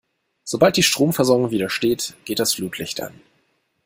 Sobald die Stromversorgung wieder steht, geht das Flutlicht an.